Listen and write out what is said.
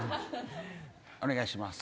お願いします。